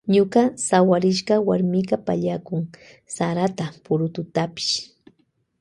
Ñuka sawarishka warmika pallakun sarata purututapash.